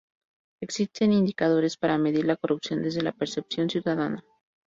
Existen indicadores para medir la corrupción desde la percepción ciudadana.